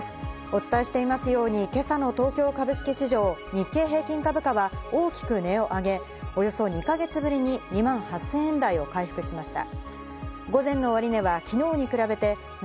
お伝えしていますように今朝の東京株式市場、日経平均株価は大きく値を上げ、およそ２か月ぶりに２万８０００円台を回復しました。